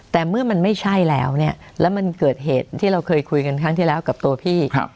แต่เมื่อมันไม่ใช่แล้วเนี่ยแล้วมันเกิดเหตุที่เราเคยคุยกันครั้งที่แล้วกับตัวพี่